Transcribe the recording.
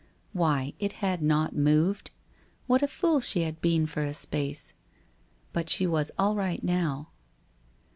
Why, it had not moved! What a fool she had been for a space ! But she was all right now.